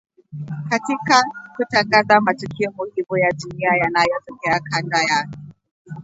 katika kutangaza matukio muhimu ya dunia na yanayotokea kanda ya